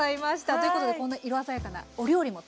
ということでこんな色鮮やかなお料理も登場いたします。